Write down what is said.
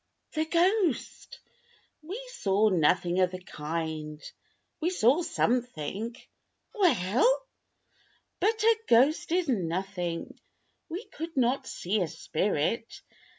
"The ghost." "We saw nothing of the kind. We saw something." "Well!" "But a ghost is nothing. We could not see a spirit.